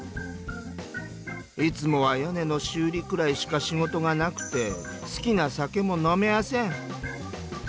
「いつもは屋根の修理くらいしか仕事がなくて好きな酒も飲めやせん」。